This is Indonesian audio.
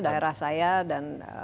daerah saya dan